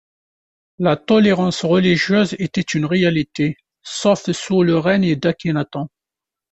La tolérance religieuse était une réalité, sauf sous le règne d'Akhénaton.